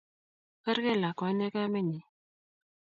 Kerkei lakwani ak kamennyi